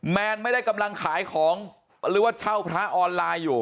แนนไม่ได้กำลังขายของหรือว่าเช่าพระออนไลน์อยู่